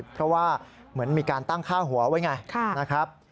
เพราะว่าเหมือนมีการตั้งค่าหัวไว้ไงนะครับ